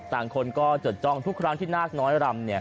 คนก็จดจ้องทุกครั้งที่นาคน้อยรำเนี่ย